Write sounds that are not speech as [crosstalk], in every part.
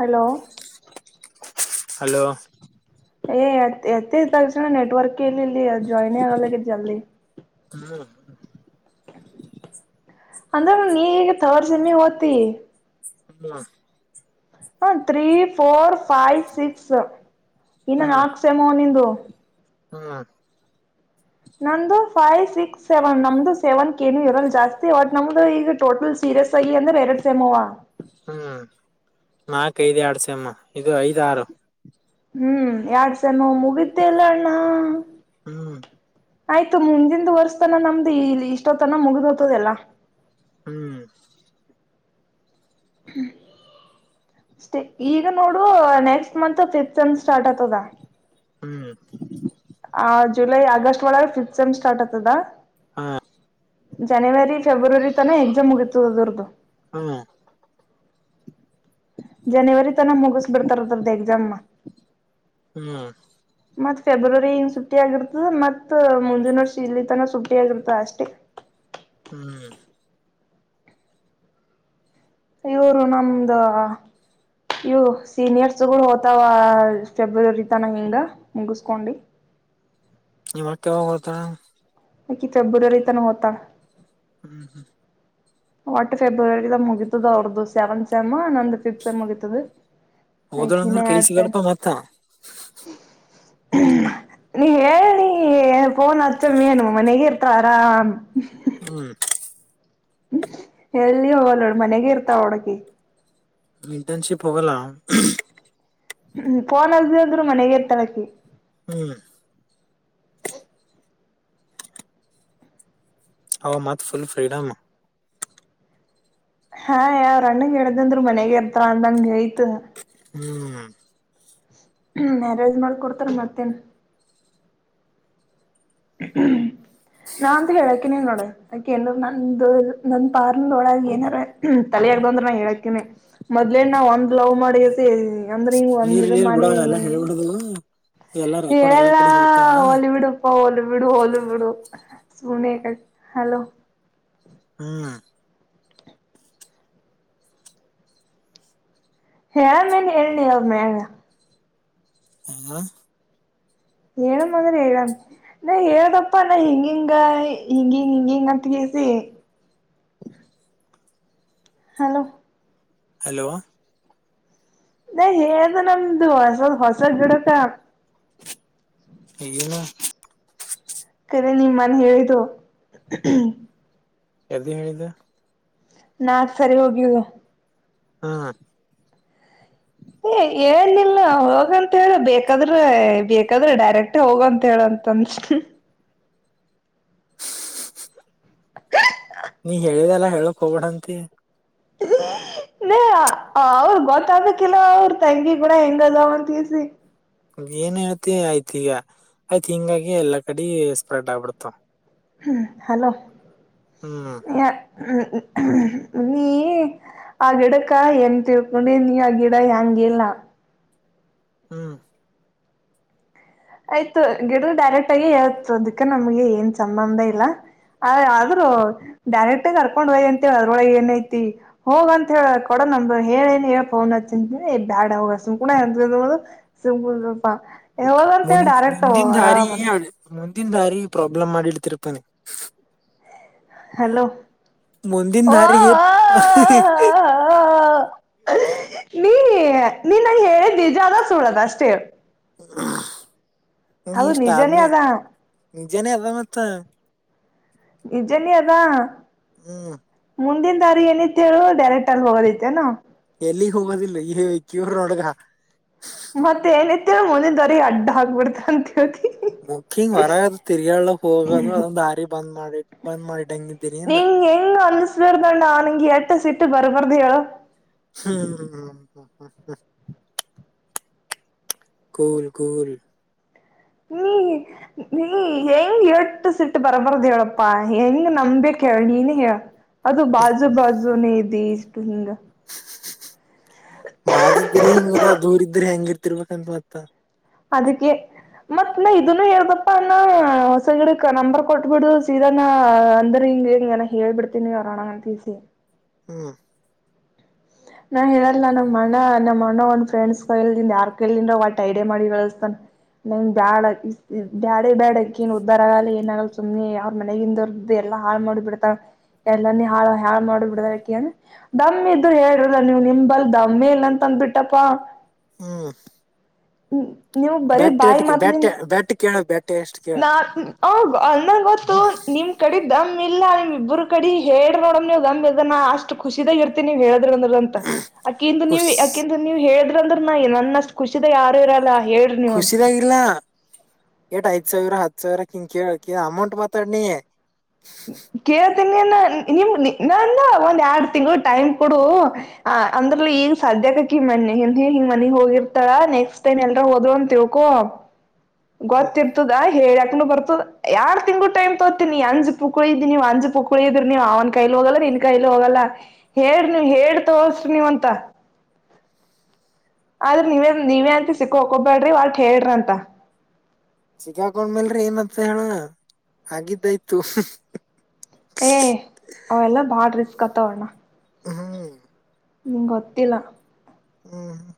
Hello hello ಏ ಎತ್ತ ತಕ್ಷಕ್ಷಣ ನೆಟ್ವರ್ಕ್ ಎಲ್ಲಿ ಇಲ್ಲಿ ಜಾಯಿನ್ ಆಗ ಜಲ್ದಿ ಹ್ಮ ಹ ಅಂದ್ರೆ ನೀಗ ತರ್ ಸಮಿ ಓ್ತಿ ಹ್ಮ ಹ ತ್ರೀ ಫೋರ್ ಫೈವ್ ಸಿಕ್ಸ್ ಇನ್ನ ನಾಕ್ಸೆಮೋ ನಿಂದು ಹ್ಮ ನಮ್ದು ಫೈವ್ ಸಿಕ್ಸ್ ಸೆವೆನ್ ನಮ್ದು ಸೆವೆನ್ ಕಏನು ಇರಲ್ ಜಾಸ್ತಿ ಬಟ್ ನಮ್ದು ಈಗ ಟೋಟಲ್ ಸಿ ಇರಸ್ಯ್ಯ ಅಂದೆರಡ್ ಸೆಮೋವಾ ಹ್ಮ್ ನಾಕ್ ಐದ್ ಎಡ್ಸಮ್ಮ ಇದು ಐದ್ ಆರುು ಹ್ಮ್ ಯಡ್ಸ ನ ಮುಗಿದ್ದೆಲ್ಲ ಅಣ್ಣ ಹ್ಮ್ ಆಯ್ತು ಮುಂದಿಂದ ವರ್ಸ್ತನ ನಮ್ದು ಇಲ್ಲಿ ಇಷ್ಟೋತನ ಮುಗ್ದ್ ಹತದೆಲ್ಲಾ ಹ್ಮ್ ಹ್ಮ ಅಷ್ಟೇ ಈಗ ನೋಡು ನೆಕ್ಸ್ಟ್ ಮಂತ್ ಫಿಫತ್ ಸತ್ ಸ್ಟಾರ್ಟ್ ಆತದ ಹ್ಮ್ ಆ ಜುಲೈ ಆಗಸ್ಟ್ ಒಳಗೆ ಫಿಫತ್ ಸೆಮ್ ಸ್ಟಾರ್ಟ್ ಆತದಾ ಹಾ ಜನವರಿ ಫೆಬ್ರವರಿ ತನ ಎಕ್ಸಾಮ್ ಮುಗತದ ಅದ್ರದ್ದು ಹ್ಮ್ ಜನವರಿ ತನ ಮುಗಿಸ ಬಿಡ್ತಾರದದ್ದ ಎಕ್ಸಾಮ ಹ್ಮ್ ಮತ್ ಫೆಬ್ರವರಿನ್ ಸುಟ್ಟಿ ಆಗರ್ತದ ಮತ್ತ ಮುಂಂದಿನ ವರ್ಷ ಇಲ್ಲಿ ತನ ಸುಟ್ಟಿ ಆಗರ್ತ ಅಷ್ಟೇ ಹ್ಮ್್ಮ ಇವರು ನಮ್ದ ಇವು ಸೀನಿಯರ್ಸ್ಗಳು ಹೋ್ತಾವ ಫೆಬ್ರವರಿ ತನ ಹಿಂಗ ಮುಗಸ್ಕೊಂಡಿ ಇವ ಕೆವ ಹತ ನಿ ೆಬ್ರವರಿ ತಾನ ಹೊತ ಹ್ಮ್ ಹ್ಮ್ ಒಟ್ಟು ಫೆಬ್ರವರಿದ ಮುಗಿತದ ಅವ್ರದ್ದು ಸೆವೆಂತ್ ಸೆಮ್ ನಂದ ಫಿಫ್ತ್ ಸೆಮ್ ಮುಗತದ ಹೋದಳ ಅಂದ್ರ ಕೈ ಸಿಗಲ್ಪಾ ಮತ್ತ ನೀ ಹೇಳಿ ಫೋನ್ ಹಚ್ಚಮ್ಮಿ ಏನು ಮನೆಗ ಇರ್ತವಾರಾ ಹ್ಮ್ಮ್. ಹ್ಮ್ ಎಿ ಹೋಗಲ್ಲ ನೋಡಿ ಮನೆಗೆ ಇರ್ತಾವ ಹೋಡಕಿ ಮಟನ್ಶಿಪ್ ಹೋಗಲ್ಲ ಹ್ಮ್ ಪನ್ದ ಅಂದ್ರೂ ಮನಗೆರ್ ತಲಕ್ಕೆ ಹ್ಮ್ ಹ್ಮ್ಮ್. ಅವ ಮತ್ ಫುಲ್ ಫ್ರೀಡಮ್ ಹಾ ಅವಾವ್ರ ಅಣ್ಣಗೆ ಡ್ದಂದ್ರರು ಮನೆಗ ಇರ್ತಾರ ಅಂದಂಗ ಯ್ತ ಹ್ಮ್ ಹ್ಮ ಯಾರಜ್ ಮಾಡ ಕೊಡ್ತಾರ ಮಾಡ್ತೇನ್ ಹ್ಮ ನಾಂತ ಹೇಳಕಿನೇ ನೋಡ ಅಕೆ ನಂದು ನಂದ ಪಾರ್ನ್ ಒಳಗ ಏನಾರ ಬಂದ್ರ ನ ಹ ಹೇಳಕೇನನೆ ಮೊದ್ೇನ್ ನಾ್ ಒಂದ ಲವ್ ಮಾಡಿ ಅಂದ್ರೆ ಈಗ ಒಂದ್ ಇ ಇರ್ಲಿ ಇರ್ಲಿ ಬಿಡ ಮಾಡಿ ಎಲ್ಲ ಹೇಳ್ಬಿಡುದು ಎಲ್ಲಾ ರೆಕಾರ್ಡ್ ಎಲ್ಲಾ ಹೇಳಲ್ಲಾ ಕಡೆ ಹೋಗ್ತಾವ ಹಲಿ ಬಿಡುಪ್ಪಾ ಹಲ್ ಬಿಡು ಹೋಲಿ ಬಿಡು ಸನ ಹಲೋ ಹ್ಮ್ ಹ ಮೇಲೆ ಹೇಳ್ಣಿ ಅವ್ರ ಮೇ ಹ ಏಳು ಮೊದಲು ಏಳು ನ ಹೇಳದಪ್ಪಾ ನಾ ಹಿಂಗ ಹಿಂಗ ಹಿಂಗಿಂಗ ಹಿಂಗ ಹಿಂಗ ಅಂತಗಸ ಹಲೋ ಹಲೋ ನ ಹೇಳ್ದು ನಮ್ದು ಹೊಸದ ಹೊಸ ಗಿಡಕ ಹಗಲ್ಲ ಕರೆ ನಿಮ್ಮ ಮನೆ ಹೇಳಿದ್ದು ಎ್ದ ಹೇಳಿದೆ ನಾಕ್ ಸರಿ ಹೋಗುದು ಹ್ಮ ಏ ಏನಿಲ್ಲ ಹೋಗಂತ ಹೇಳುದ ಬೇಕಾದ್ರೆ ಬೇಕಾದ್ರೆ ಡೈರೆಕ್ಟ್ ಹೋಗಂತ ಹೇಳಂತನ್ಸ ನೀ ಹೇಳಿದೆಲ್ಲ ಹೇಳಕ್ ಹೋಗಬಡಂತಿ ನೇ ಅವ್ರ ಗೊತ್ತಾಗಕಿಲ್ಲ ಅವರು ತಂಗಿ ಕೂಡ ಹೆಂಗದಾವಂತಸಿ ಏನ್ ಹೇಳ್ತಿ ಆಯ್ತ ಈಗ ಆಯ್ತ್ ಹಿಂಗಾಗಿ ಎಲ್ಲಾ ಕಡೆ ಸ್ಪ್ರೆಡ್ ಆಗ್ಬಿಡ್ತಾವ ಹ್ಮ್ ಹಲೋ ಹ್ಮ್ ಹ್ಮ ನೀ ಆ ಗಿಡಕ್ಕ ಏನ್ ತಿಳ್ಕೊಂಡಿ ನೀ ಆ ಗಿಡ ಹೆಂಗಿಲ್ಲ ಹ್ಮ ಆಯ್ತು ಗಿಡ ಡೈರೆಕ್ಟ್ ಆಗಿ ಹೇತ್ ಅದಕ್ಕ ನಮ್ಗೆ ಏನ್ ಸಂಬಂಧ ಇಲ್ಲ ಆ ಆದ್ರೂ ಡೈರೆಕ್ಟಗ ಅರ್ಕೊಂಡ್ ಹಯಿ ಅಂತ ಹೇಳ ಅದ್ರೊಳಗೆ ಏನ್ಐತಿ ಹೋಗ್ ಅಂತ ಹೇಳ ಕೊಡ ನ ಹೇಳ ಏನ್ ಹೇಳಳ್ ೋನ್ ಹನಿ ಬ್ಯಾಡ್ ಅವ ಕು ಎ ಸಿಂು ರಪಾ ಎಾಗ ಮುಂದ್ ಮುಂದಿನ ದಾರಿ ಮುಂದಿನ ದಾರಿ ಪ್ರಾಬ್ಲಮ್ ಮಾಡಿಡ್ತಿರ್ಪಾನಿ ಹಲೋ ಮುಂದಿದ್ ಓ ದಾರಿ. [inaudible] ಏ ನೀನ್ ನಂಗ ಹೇಳಿದ್ ನಿಜ ಆದ ಸುಳ್ಳಾದ ಅಷ್ಟೇ ಹೇಳ್. ನೀ ಎಷ್ಟ್ ನಿಜನೇ ಆದ್ಮೇಕ್ ಅದ ನಿಜನ ಅದ ಮತ್ತ. ನಿಜಾನೇ ಅದ ಹ್ಮ್ ಮುಂದಿನ ದಾರಿ ಏನಿತ್ತ ಹೇಳು ಡೈರೆಕ್ಟ್ ಆಗಿ ಅಲ್ಲಿ ಹೋಗೋದೈತೆನು. ಇಲ್ಲಿ ಹೋಗೋಗದಿಲ್ಲ ಹೇ ಕಿವ್ರೂ ನೋಡು ಗಾ. ಮತ್ತೆ ಏನತ್ತ ಮುಂದಿನ್ ದಾರಿ ಅಡ್ಡ ಹಾಕ್ಬಿಡ್ತ ಅಂತ ಹೇಳ್. ಮುಖಿಂಗ್ ಹೊರಗದು ತಿರ್ಗಾಳಕ್ ಹೋಗೋದು ಅದ್ ದಾರಿ ಬಂದ್ ಮಾಡಿ ಬಂದ್ ಮಾಡಿ. ನೀ ಎಂಗ ಅನ್ನಿಸವರ್ದ್ಣ ಆಾನಂಗ ಎಟ ಸೀಟ್ ಬರಬರ್ದ ಯೋ ಹ್ಮ್ ಹ ಗೋಲ್ ಗೋಲ್ ಹ್ಮ ನೀ ನೀ ಹೆಂಗ್ ಎಟ್ ಸಿಟ್ಟು ಬರ್ಬಾರ್ದ ಹೇಳಪ್ಪಾ ಹೆಂಗ್ ನಂಬೆಕ್. ಹೇಳ್ ನೀನೇ ಹೇಳ್ ಅದು ಬಾಜು ಬಾಜೂನೇ ನಿಂಗ. ಬಾಜು ಇದ್ರೆ ಹಿಂಗದ ದೂರ ಇದ್ದ್ರ ಹೆಂಗ ಇರ್ತಿರ್ಬೇಕಂತ ಬತ್ತ. ಅದಕ್ಕೆ ಮತ್ ನ ಇದನು ಹೇಳ್ದಪ್ಪ ಅಣ ಹೊಸಗಿಡ ನಂಬರ್ ಕೊಟ್ಬಿಡು ಸೀದಾನ ಅಂದ್ರ. ಇಂಗ ಇಂಗನೇ ಹೇಳ್ಬಿಡ್ತೀನಿ ಅಣ್ಣ ಅಕಿಗೆ ತಿಳಿಸಿ. ಹ್ಮ್ ನಾ ಹೇಳಲ್ಲ ನಮ್ ಮಣ ನಮ್ಮ ಮಣ ಒಂದ್ ಫ್ರೆಂಡ್ಸ್ ಕೈಲಿಂದ ಯಾರ್ ಕೈಲಿಂದ ಒಟ್ಟ ಐಡಿಯಾ ಮಾಡಿ ಹೇಳಸ್ತಾನ. ನಂಗ ಬ್ಯಾಡ ಬ್ಯಾಡೇ ಬ್ಯಾಡಕಿನ್ ಉದ್ದಾರ ಆಲಿ ಏನಾಗ್ಲಿ ಸುಮ್ನೆ ಅವ್ರ ಮನೆಗಿಂದರ್ದ್ದೇ ಯಾರಿಗ್ ಲ್ಲಾ ಹಾಳ್ ಮಾಡಿ ಬಿಡ್ತಾಳ್ ಎಲ್ಲ ನೀ ಹಾಳ್ ಹಾಳ್ ಮಾಡಿ ಬಿಡ್ತಾಳ್ ಅನ್ನು ಆಕಿ ದಮ್ಮ. ಇದ್ರ ಹೇಳ್ರಲ್ಲ ನೀವು ನಿಮ್ ಬಲ್ ದಮ್ಮೇ ಇಲ್ಲ ಅಂತ ಅಂದಬಿಟ್ಟಪ್ಪಾ. ಹ್ಮ್ ನೀ ನೀವು ಬರೀ ಬ್ಯಾಟ್ ಬಾಯಿ ಎಟ್ ಬ್ಯಾಟ್ ಮಾತ್ನ್ಳಿಂದ. ಬ್ಯಾಟ್ ಕೇಳ ಬ್ಯಾಟ್ ಎಷ್ಟು ಕೇಳ ಹ ಅಂದಂಗ ಗೊತ್ತು ನಿಮ್ ಕಡೆ ದಮ್ ಇಲ್ಲ ನಿಮ್ ಇಬ್ಬರು ಕಡೆ ಹೇಳ್ರಿ ನೋಡಮ್ ನೀವು ದಮ್ ಇದ್ರ ನಾ. ಅಷ್ಟ ಖುಷಿದಾಗ ಇರ್ತೀನಿ ನೀವ್ ಹೇಳ್. ಅಂತ ಅಕಂದು ನೀವ ಖುಷ್ ಯಕಂದು ನೀವ್ ಹೇಳಿದ್ರ ಅಂದ್ರ ನ ನನ್ನಷ್ಟ್ ಖುಷಿದ ಯಾರು ಇರಲ್ಲ. ಹೇಳ್ರಿ ನೀವ್ ಅಂತ ಖುಷಿದಾಗಿಲ್ಲ ಎಟ್ ಆಯ್ತ. ಹತ್ ಸಾವಿರ ಹತ್ ಸಾವಿರ ಕಿನ್ ಕೇಳಕಿ ಅಮೌಂಟ್ ಮಾತಾಡ್ ನೀ. ಕೇಳ್ತೀನಿ ನಿನ್ನ ನೀ ನಿಮ್ ನನ್ ಒಂದ್ ಎಡ್ ತಿಂಗ್ಲಾ ಟೈಮ್ ಕೊಡು ಆ ಅಂದ್ರಲೀ ಈಗ ಸದ್ಯಕಕಿ ಮನ್ನೆ ಹ ಹಿಂಗ ಮನೀಗ್ ಹೋಗಿರ್ತಾ ನೆಕ್ಸ್ಟ್ ಟೈಮ್ ಎಲ್ರ ಹೋದ್ಲು ಅಂತ ತಿಳ್ಕೋ. ಹ್ಮ್ ಗೊತ್ತಿರ್ತದಾ ಹೇಳ ಕೂನು ಬರ್ತಾದ ಎಡ್ ತಿಂಗ್ಗಳು ಟೈಮ್ ತೋತೀನಿ ಅಜ್ ಪುಕುಳ್ ಇದಿ ನೀವು ಅಜ ಪುಳಿದ್ರ ನೀವು ಅವನ್ ಕೈಲಿ ಹೋಗಲ್ಲ್ರ ನೀ. ನೀನ್ ಕೈಲೂ ಹಾಗಲ್ಲ ಹೇಳ್ರಿ ನೀವ್ ಹೇಳ್ ತೋಸ್ರಿ ನೀವ್ ಅಂತ. ಆದ್ರ ನೀವೇ ನೀವೇ ಅಂತ ಸಿಕ್ಕ ಹಕಬ್ಯಾಡ್ರಿ ಒಟ್ಟ ಹೇಳ್ರಿ ಅಂತ. ಸಿಕ್ಕಾಕೊಂಡ್ಮೇಲ್ರಿ ಏನಂತ ಹೇಳ ಹಾಗಿದ್ದಾಯ್ತು. ಏ ಅವ ಎಲ್ಲ ಬಾಳ್ ರಿಸ್ಕ್ ಆತವ್ ಅಣ್ಣ. ಹ್ಮ್ ನಿಂಗ ಗೊತ್ತಿಲ್ಲ. ಹ್ಮ ಹ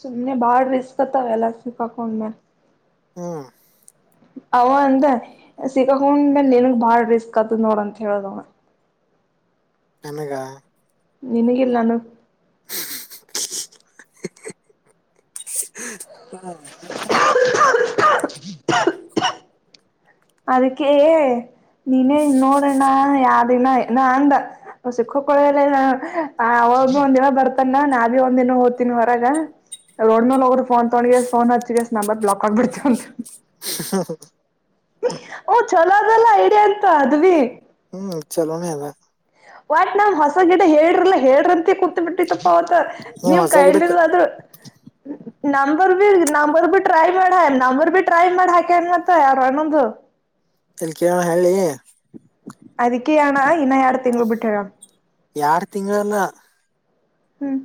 ಸುಮ್ನೆ ಬಾಳ ರಿಸ್ಕ್ತಾವ ಎಲ್ಲ ಸಿಕಾಕೊಂಡ್ಮೇಲ. ಹ್ಮ್ಮ್ ಅವ ಅಂದ ಸಿಕ್ಕಕೊಂಡ ನೀನ್ಗ್ ಬಾಳ ರಿಸ್ಕ್ ಆತದ್ ನೋಡಂತ ಹೇಳ್ದ ಅವ್ ನನಗ ನಿನಗಿಲ್ ನನಗ್ [inaudible] ಹ್ಮ ಮತ್ತ್ [inaudible] ಅದಕ್ಕೆ ಏ ನೀನೇ ನೋಡ್ರಣ್ಣ ಯಾವಿನ ನ ಅಂದ ಸಿಕ್ಕಕ್ಕಳಲ್ಲ ಹೋಗ ಒಂದ ದಿನ ಬರ್ತಾನ ನಾ ಭಿ ಒಂದ ದಿನ ಹೋಗ್ತೀನಿ ಹೊರಗ ರೋಡ್ ಮ ಹೋಗರು ಫೋನ್ ತೊಂಡಗಗೆ ನ್ ಹಚ್ನಂಬರ್ ಬ್ಲಾಕ್ ಆಗ್ಬಿಡ್ತವ ಅಂತ ಹ ಓ ಚಲೋ ಅದಲ್ಲ ಡ ಆತ ಅದ್ವಿ ಹ್ಮ್ ಚಲೋನೇ ಅಲ್ಲ ಬಟ್ ನಾ್ ಹೊಸ ಗಡ ಹೇಳಿಲ್ಲ ಹೇಳ್ರ ಅಂತ ಕುೂತ್ ಬಿಟ್ಟ ಪ್ಪ ಅವತ ನೀವ್ ಹೊಸ ಕೈ ಗಿಡಕ್ ಇಲ್ದಿದ ಆದ್ರೂ number B number B try ಮಾಡ ನಂಬರ್ ಬಿ ಟ್ರೈ ಮಾಡ ಹಾಕನ್ ಮತ್ತ ಯಾರ ಅನ್ನೊದು.. ತಿಲ್ಲಿ ಕೇಳಣ ಹೇಳಳ್ಳಿ.. ಅದಕ್ಕೆ ಅಣ್ಣ ಇನ್ನ ಎರಡ್ ತಿಂಗ್ಗಳು ಬಿಟ್ಟ್ಯಾರ ಎಡ್ ತಿಂಗಳಲ್ಲ ಹ್ಮ್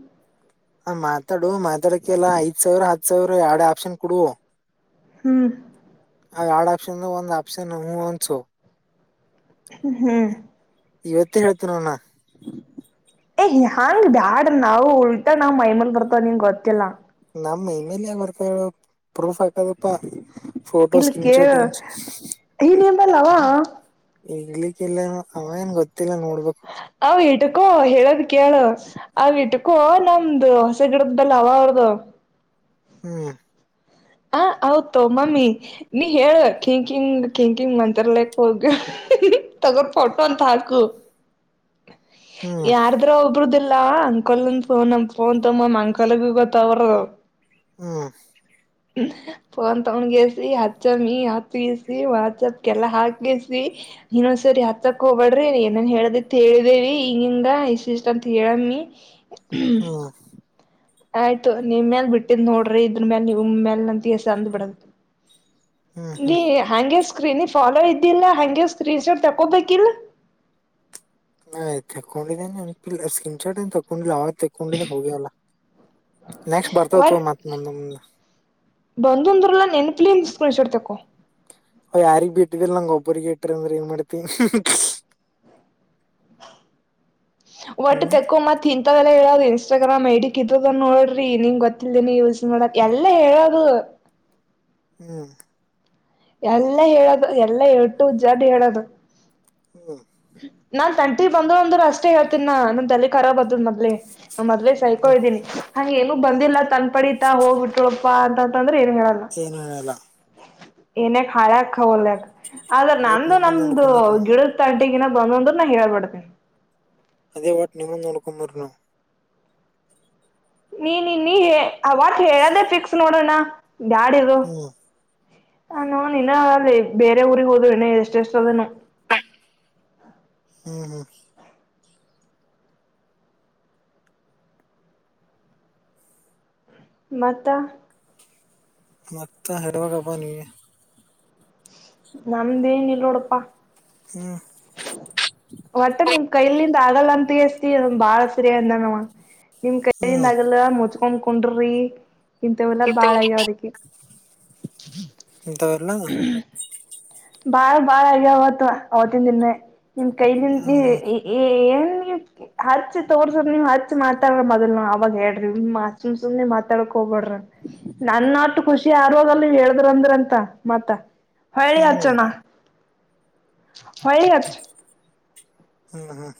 ಹ ಮಾತಾಡು ಮಾತಾಡಕ್ಕೆಲ್ಲ ಐದ್ ಸಾವಿರ ಹತ್ ಸಾವಿರ ಎಡೆ ಆಪ್ಷನ್ ಕೊಡು. ಹ್ಮ್ ಅವ್ ಎರಡ್ ಆಪ್ಷನ್ ಒಂದ ಆಪ್ಷನ್ ಹೂ ಒನ್ಸು ಹ್ಮ್ ಇವತ್ತ ಹೇಳ್ತು ನ್ಣ ಏ ಹೆಯಾಂಗ ಬ್ಯಾಡ ನಾವು ಉಳಟಾ ನಾವ್ ಮೈಮೇಲ್ ಬರ್ತವ ನೀಂಗ ಗೊತ್ತಿಲ್ಲ ನಮ್ಮ ಇಮೇಲ್ ಯ ಬರ್ತ ಪ್ರೂಫ್ ಹಾಕದಪ್ಪಾ ಸ್ಟೇಟಸ್ ಇಲ್ ಕೇಳ ಕ್ರಮಚಟ ಈ ನಿಂಬಲ್ಲವ ಇಗ್ಲಿಕ್ಕ ಇಲ್ಲ ಅವೇಏನ್ ಗೊತ್ತಿಲ್ಲ ನೋಡ್ಬೇಕು. ಅವ ಇಟಕೋ ಹೇಳೋದ್ ಕೇಳು ಅವ ಇಟಕೋ ನಮ್ದು ಹೊಸ ಗಿಡದ ಬಲ್ಲ ಅವ.. ಹೋಗ. ಹ್ಮ್. ಹ ಹೌತ ಮಮ್ಮಿ. ನೀ ಹೇಳ ಕಿಂಕಿಂಗ್ ಕಿಂಕಿಂಗ್ ಅಂತಲಕ್ ಹೋಗಿ ತಗೋರ್ ಫೋಟೋ ಅಂತ ಹಾಕು.. [inaudible] [inaudible] ಹ್ಮ್ ಯಾರದ್ರೂ ಒಬರುದ. ಇಲ್ಲ ಅಂಕಲ್ನ್ಫೋನ್ ತಮ್ಮ್ ಅಂಕಲ್ಗ ಗೊತ್ತ ಅವರ. ಹ್ಮ ಫೋನ್ ತಗೊಂಡಗಸಿ ಹಚ್ಚ ಮಿ ಹತ್ತಗಸಿ ಮಚಪ್ಗೆಲ್ಲ ಹಾಕಸ.. ನೀನ್ೊಂದ್ಸರಿ ಆತ್ರಕ್ ಹೋಗಬಾಡ್ರಿ ಏನೇನ್ ಹೇಳದಿ ತಿ ಹೇಳಿದೇವಿ ಹಿಂಗಿಂಗ ಇಷ್ಟ ಇಷ್ಟ ಅಂತ ಹೇಳಮ್ಮಿ.. ಹ್ಮ ಆಯ್ತು ನಿಮ ಮೇಲ್ ಬಿಟ್ಟಿದ್ ನೋಡ್ರಿ ಇದ್ರ ಮೇಲೆ ನಿ ಮೇಲ್ ನ ತಸ ಅಂದ್ ಬಿಡು.. ಹ್ಮ್ ನೀ ಹ್ಮ್ ಹಗೆ.. ಸ್ಕ್ರೀನಿ ಫಾಲೋ ಇದ್ದಿಲ್ಲ ಹಗೆ ಸ್ಕ್ರೀನ್ ಶಾಟ್ ತಕೋಬೇಕಿಲ್ಲ.. ಆ ತಗೊಂಡಿದ್ದೇನೆ ಸ್ಕ್ರೀನ್ ಚಾಟ್ ಏನ್ ತಕೊಂಡಿಲ್ಲ ಅವ.. ತೆಕೊಂಡಿದ ಹೋಗ್ಯವಲ್ಲ ನೆಕ್ಸ್ಟ್ ಬರ್ತಾವತ್ ಒಟ್ ಮತ್ತ ಮುಂದ ಮು.. ಬಂದಂದ್ರಲ್ಲ ನೆನ್ಪಲಿಸ್ಕಳಸಡ್ತಕೋ.. ಅವ್ ಯಾರಿಗ್ ಬಿಟ್ಟಿದಲ್ ನಂಗ ಒಬ್ಬ್ರಿಗೆ ಇಟ್ರ ಅಂದ್ರೆ ಏನ್ ಮಾಡ್ತೀನಿ.. ಒಟ್ಟು ತೆಕ್ಕೋ ಮತ್ ಇಂಥವೆಲ್ಲಾ ಹೇಳ.. ಇನ್ಸ್ಟಾಗ್ರಾಮ್ ಐಡಿಕ್ ಇದ್ರದನ್ ನೋಡ್ರಿ ನಿನ್ ಗೊತ್ತಲ್ದನ ಯಲ್ಸ್ ನೋಡಕ್ ಎಲ್ಲಾ ಹೇಳೋದು.. ಹ್ಮ್ ಎಲ್ಲ ಹೇಳದು ಎಲ್ಲ ಹೇಳೇಳ್ಟ್ಟು ಉಜ್ಜಡ್ ಹೇಳದು.. ಹ್ಮ್ ನಾನ್ ತಂಟಿ ಬಂದ ಅಂದ್ರರು ಅಷ್ಟೇ ಹೇಳ್ತೀನ ನ ನನ್ ತಲೆಖರ ಬಂದದ ಮ.. ಮದೇ ಮೊದ್ ಹ್ಮ್ ಸಹಕೋದೀನಿ ಹಂಗ ಏನು ಬಂದಿಲ್ಲ ತಂದ ಪಡಿತಾ ಹೋಗ್ಬಟ್ಳಪ್ಪಾ ಅಂತ.. ಚನ ಎಲ್ಲ. ಏನಕ್ ಹಳ್ಯಾಕ್ಕ ಹೊಲ್ಯಕ ಆದ್ರ ಒಟ್ ನಂದು ನಿಮ್ಮನ್ ನಮ್ದು ನೋಡ್ಕೊಂಬರ್ ನಾವು ಗಿಡ ತಡ್.. ಗ ಬಂದಂದ ನ ಹೀರ ಪಡ್ತನೆ.. ಅದೇ ವಟ್ ನಿಮ್ಮಂದು ನೋಡ್ಕೊಂಬರ ನವು.. ನೀ ನಿನ್ನ ಅವಟ್ ಹೇಳದೇ ಫಿಕ್ಸ್ ನೋಡೋಣ ಬಾಡವ ಹ್ಮ್ ಹ ನೋನ ಅಲ್ಲಿ ಬೇರೆ ಊರಿಗೆ ಹೋದ್ ಇನ ಎಷ್ಟ ಎಷ್ಟ ಅದನು ಹ್ಮ್ ಹ್ಮ್ ಮತ ಮತ್ತ ಹಡವಾಗಬ್ಬ ನೀಗೆ ನಮ್ದೇ ನಿಲ್ಲೋಡಪ್ಪಾ ಹ್ಮ್ ಒಟ್ಟ ನಿಮ್ ಕೈಲ್ಲಿಂದ ಆಗಲ್ಲ ಅಂತ ಎಸ್ತಿ್ ಬಾಳ ಸರಿ ಅಂದನವ.. ನಿಮ್ ಕೈಯಿಂದ ಹ್ಮ್ ಆಗಲ್ಲ ಮುಚ್ಕೊಂಡ್ಕೊಂಡಿ ಇಂತವಲ್ಲ ಬಾಳಯ್ಯ ಅದಕ್ಕೆ ಇಂಥವೆಲ್ಲಾ ಬಾಳ ಬಾಳ ಈಗ ಅವವತ್ತು ಅವತ್ತಿನ ದಿನೇ ನಿಮ್ ಕೈಲಿಂದ ಹ್ಮ್ ಹ್ಮ್ ಏನ್ ಹಚ್ಚಿ ತೋರ್ಸ ನೀವ್ ಹಚ್ಚಿ ಮಾತಾಡ್ರ ಮೊದಲ್ ನ ಅವಾಗ ಹೇಳ್ರಿ ಸುಮ್ ಸು್ನೆ ಮಾತಾಡ ಹೋಗ್ಬಡ್ರ ನನ್ ನಟ್ಟ ಖುಷಿ ಆರಾಗಲ್ ನೀವ್ ಹೇಳದ್ರ ಅಂದ್ರ ಅಂತ ಮತ ಹ್ಮ್ ಹ್ಮ ಹೊಗತ್ತು ಹ್ಮ್ ಹ್ಮ